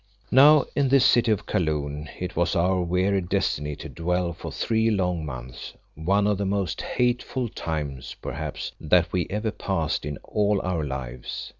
Now in this city of Kaloon it was our weary destiny to dwell for three long months, one of the most hateful times, perhaps, that we ever passed in all our lives.